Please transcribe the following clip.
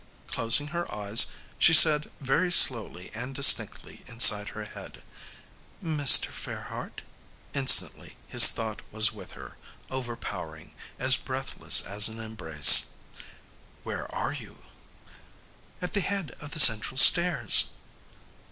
Closing her eyes, she said very slowly and distinctly inside her head, "Mr. Fairheart?" Instantly his thought was with her, overpowering, as breathless as an embrace. "Where are you?" "At the head of the central stairs."